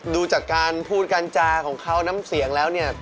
ดูจากการพูดการจาของเขาน้ำเสียงแล้วเนี่ย